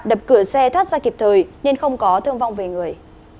đập cửa xe thoát ra kịp thời nên không có thương vong về người